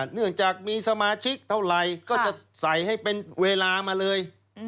เนื่องจากมีสมาชิกเท่าไหร่ก็จะใส่ให้เป็นเวลามาเลย